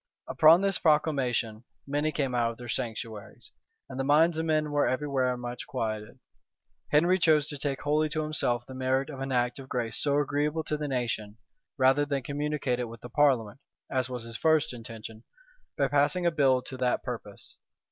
Upon this proclamation many came out of their sanctuaries; and the minds of men were every where much quieted. Henry chose to take wholly to himself the merit of an act of grace so agreeable to the nation, rather than communicate it with the parliament, (as was his first intention,) by passing a bill to that purpose.